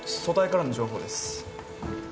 組対からの情報です